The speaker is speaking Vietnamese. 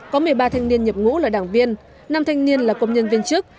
có một mươi ba thanh niên nhập ngũ là đảng viên năm thanh niên là công nhân viên chức